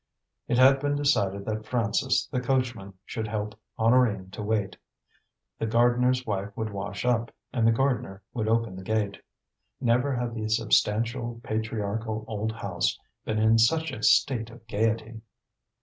It had been decided that Francis, the coachman, should help Honorine to wait. The gardener's wife would wash up, and the gardener would open the gate. Never had the substantial, patriarchal old house been in such a state of gaiety.